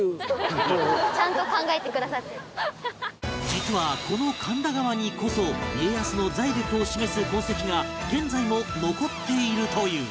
実はこの神田川にこそ家康の財力を示す痕跡が現在も残っているという